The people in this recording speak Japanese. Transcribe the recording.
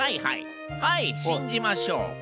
はいしんじましょう。